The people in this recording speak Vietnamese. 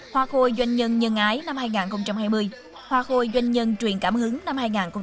hoa khôi doanh nhân nhân ái năm hai nghìn hai mươi hoa khôi doanh nhân truyền cảm hứng năm hai nghìn hai mươi